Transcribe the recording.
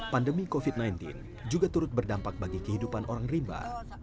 pandemi covid sembilan belas juga turut berdampak bagi kehidupan orang rimba